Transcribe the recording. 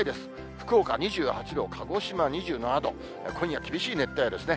福岡２８度、鹿児島２７度、今夜、厳しい熱帯夜ですね。